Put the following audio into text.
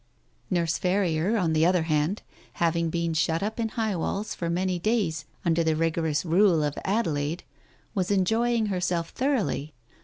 Nurse Ferrier, on the other hand, having been shut up in High Walls for many days under the rigorous rule of Adelaide, was enjoying herself thoroughly.